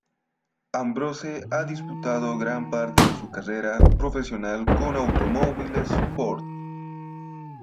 Ambrose ha disputado gran parte de su carrera profesional con automóviles Ford.